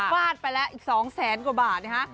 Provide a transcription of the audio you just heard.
ฟาดไปแล้วอีก๒แสนกว่าบาทนะฮะ